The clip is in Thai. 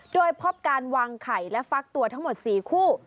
โดยพบการวางไข่และฟักตัวทั้งหมด๔คู่